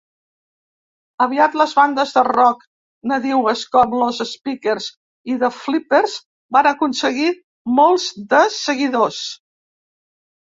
Aviat, les bandes de rock nadiues com Los Speakers i The Flippers van aconseguir molts de seguidors.